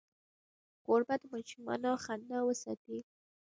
کوربه د ماشومانو خندا وساتي.